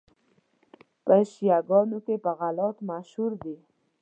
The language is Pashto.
چي په شیعه ګانو کي په غُلات مشهور دي.